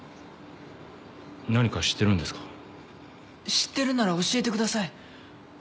知ってるなら教えてください。